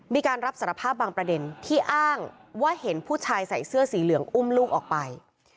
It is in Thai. มีการรับสารภาพบางประเด็นที่อ้างว่าเห็นผู้ชายใส่เสื้อสีเหลืองอุ้มลูกออกไป